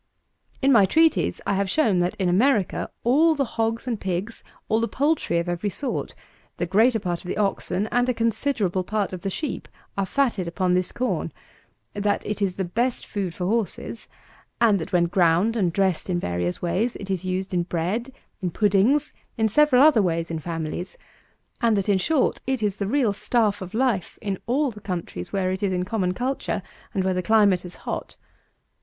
In my treatise, I have shown that, in America, all the hogs and pigs, all the poultry of every sort, the greater part of the oxen, and a considerable part of the sheep, are fatted upon this corn; that it is the best food for horses; and that, when ground and dressed in various ways, it is used in bread, in puddings, in several other ways in families; and that, in short, it is the real staff of life, in all the countries where it is in common culture, and where the climate is hot.